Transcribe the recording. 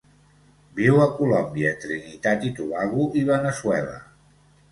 Viu a Colòmbia, Trinitat i Tobago i Veneçuela.